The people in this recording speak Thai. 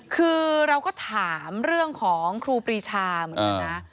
คือเราก็ถามเรื่องของครูปรีชาเหมือนกันนะ